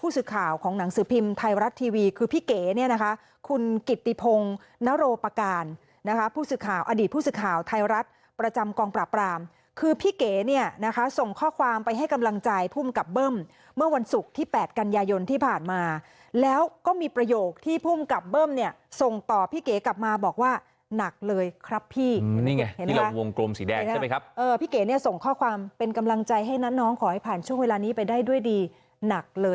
ทายรัฐทีวีคือพี่เก๋เนี่ยนะคะคุณกิตติพงนโรปาการนะคะผู้สื่อข่าวอดีตผู้สื่อข่าวทายรัฐประจำกองปราบรามคือพี่เก๋เนี่ยนะคะส่งข้อความไปให้กำลังใจผู้กับเบิ้มเมื่อวันศุกร์ที่๘กันยายนที่ผ่านมาแล้วก็มีประโยคที่ผู้กับเบิ้มเนี่ยส่งตอบพี่เก๋กลับมาบอกว่าหนักเลยครับพี่นี่ไงที่เราวงกล